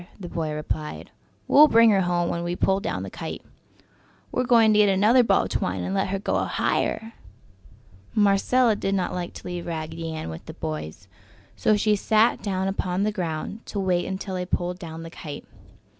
the boy replied. "We'll bring her home when we pull down the kite! We're going to get another ball of twine and let her go higher!" Marcella did not like to leave Raggedy Ann with the boys, so she sat down upon the ground to wait until they pulled down the kite.